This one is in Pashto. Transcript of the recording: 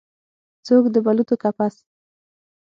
څوک د بلوطو کپس